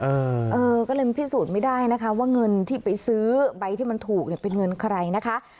เออเออก็เลยพิสูจน์ไม่ได้นะคะว่าเงินที่ไปซื้อใบที่มันถูกเนี่ยเป็นเงินใครนะคะ